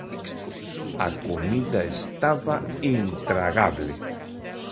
A comida estaba intragable.